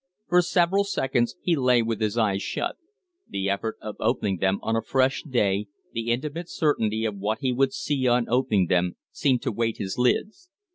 For several seconds he lay with his eyes shut; the effort of opening them on a fresh day the intimate certainty of what he would see on opening them seemed to weight his lids.